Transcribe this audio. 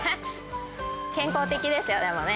健康的ですよでもね。